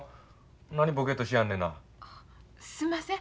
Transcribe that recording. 何ぼけっとしやんねんな。すんません。